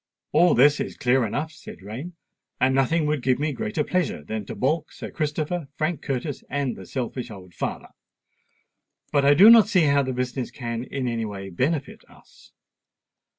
"All this is clear enough," said Rain; "and nothing would give me greater pleasure than to baulk Sir Christopher, Frank Curtis, and the selfish old father. But I do not see how the business can in any way benefit us."